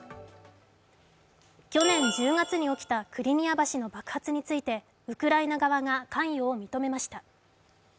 去年１０月に起きたクリミア橋の爆発についてウクライナ側が関与を認めました。